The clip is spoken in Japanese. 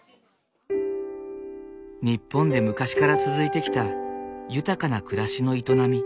日本で昔から続いてきた豊かな暮らしの営み。